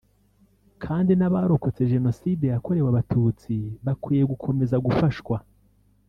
kandi n’abarokotse Jenoside yakorewe Abatutsi bakwiye gukomeza gufashwa